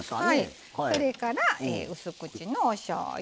それからうす口のおしょうゆ。